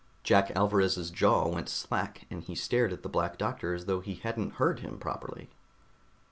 Jack Alvarez's jaw went slack and he stared at the Black Doctor as though he hadn't heard him properly.